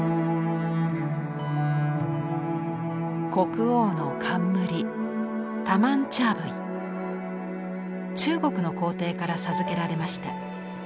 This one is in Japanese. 国王の冠中国の皇帝から授けられました。